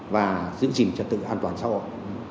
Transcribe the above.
và giữ gìn trật tự an toàn xã hội